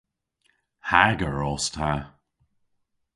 Hager os ta.